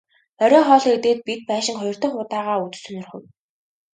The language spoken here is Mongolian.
Оройн хоолоо идээд бид байшинг хоёр дахь удаагаа үзэж сонирхов.